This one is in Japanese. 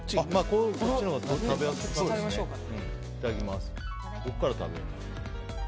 いただきます。